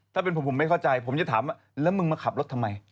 ถ้าเป็นผมผมไม่เข้าใจผมจะถามว่าแล้วมึงมาขับรถทำไม